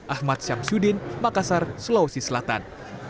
ahmad syamsuddin makassar sulawesi selatan